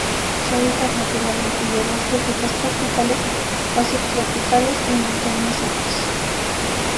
Su hábitat natural incluye bosques secos tropicales o subtropicales y montanos secos.